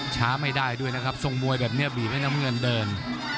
ช้าไม่ได้ด้วยนะครับทรงมวยแบบนี้บีบให้น้ำเงินเดิน